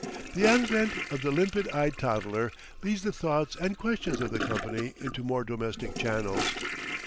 The advent of the limpid eyed toddler leads the thoughts and questions of the company into more domestic channels.